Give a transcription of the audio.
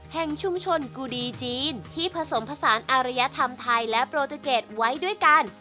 แห่งชุมชนกูดีจีนที่ผสมผสานอารยธรรมไทยและโปรตูเกตไว้ด้วยกัน